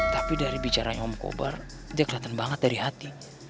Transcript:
tapi dari bicaranya om kober dia kelihatan banget dari hati